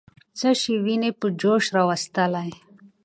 څه شی ويني په جوش راوستلې؟